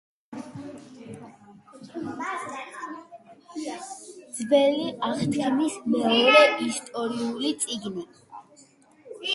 ძველი აღთქმის მეორე ისტორიული წიგნი.